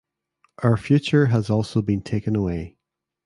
Our future has also been taken away.